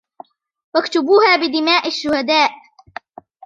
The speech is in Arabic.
و اكتبوها بدماء الشهدا